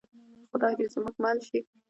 خدای دې زموږ مل شي